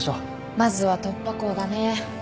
まずは突破口だね。